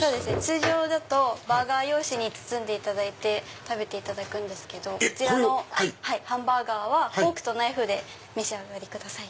通常だとバーガー用紙に包んで食べていただくんですけどこのハンバーガーはフォークとナイフでお召し上がりください。